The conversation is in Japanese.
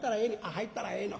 「入ったらええの。